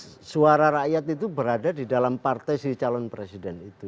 karena suara rakyat itu berada di dalam partai si calon presiden itu